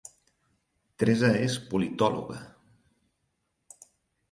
Teresa és politòloga